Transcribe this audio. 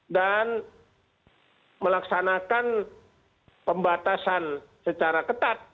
dan melaksanakan pembatasan secara ketat